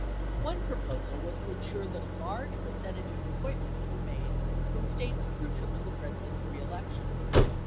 One proposal was to insure that a large percentage of appoint ments were made from States crucial to the President's reelection.